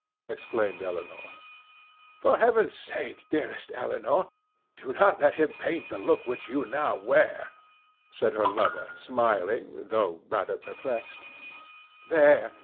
exclaimed Elinor. "For Heaven's sake, dearest Elinor, do not let him paint the look which you now wear," said her lover, smiling, though rather perplexed. "There!